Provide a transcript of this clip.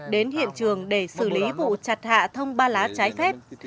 đến hiện trường để xử lý vụ chặt hạ thông ba lá trái phép